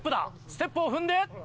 ステップを踏んで。